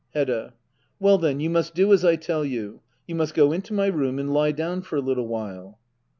Hedda. Well then, you must do as I tell you. You must go into my room and lie down for a little while.